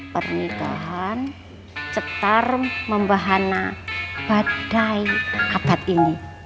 pernikahan cetar membahana badai abad ini